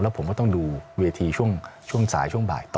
ผมก็ต้องดูเวทีช่วงสายช่วงบ่ายต่อ